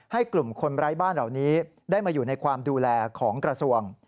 กลุ่มคนไร้บ้านเหล่านี้ได้มาอยู่ในความดูแลของกระทรวง